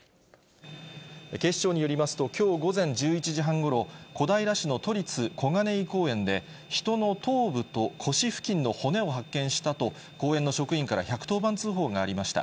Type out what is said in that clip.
警視庁によりますと、きょう午前１１時半ごろ、小平市の都立小金井公園で人の頭部と腰付近の骨を発見したと、公園の職員から１１０番通報がありました。